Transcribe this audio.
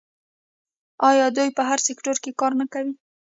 آیا دوی په هر سکتور کې کار نه کوي؟